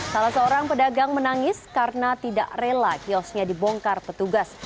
salah seorang pedagang menangis karena tidak rela kiosnya dibongkar petugas